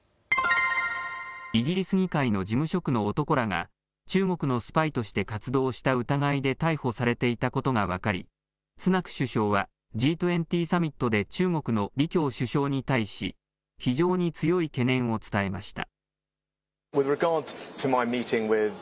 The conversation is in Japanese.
イギリス議会の事務職の男らが中国のスパイとして活動した疑いで逮捕されていたことが分かりスナク首相はＧ２０サミットで中国の李強首相に対し非常に強い懸念を伝えました。